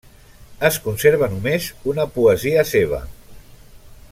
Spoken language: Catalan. Es conserva només una poesia seva.